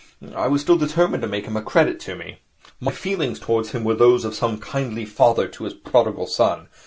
I was still determined to make him a credit to me. My feelings towards him were those of some kindly father to his prodigal son.